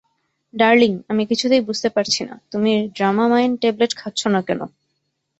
Darling, আমি কিছুতেই বুঝতে পারছি না, তুমি ড্রামামাইন ট্যাবলেট খাচ্ছ না কেন।